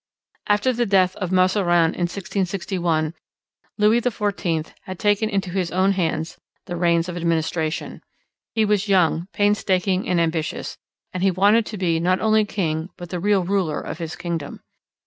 After the death of Mazarin in 1661, Louis XIV had taken into his own hands the reins of administration. He was young, painstaking, and ambitious; and he wanted to be not only king but the real ruler of his kingdom.